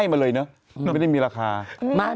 พี่แมว่ะแต่หนุ่มไม่ได้พี่แมว่ะแต่หนุ่มไม่ได้